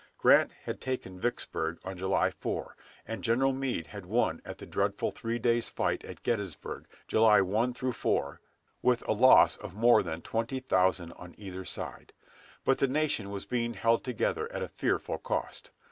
Grant had taken Vicksburg on July 4, and General Meade had won at the dreadful three days' fight at Gettysburg, July 1 4, with a loss of more than twenty thousand on either side; but the nation was being held together at a fearful cost.